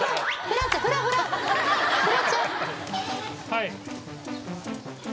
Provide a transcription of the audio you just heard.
はい。